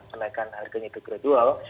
menaikkan harganya ke gradual